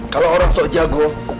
kalau orang sok jago